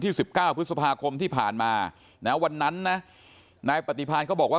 ที่๑๙พฤษภาคมที่ผ่านมาแล้ววันนั้นนะนายปฏิพาณก็บอกว่า